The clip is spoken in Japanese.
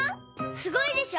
すごいでしょ！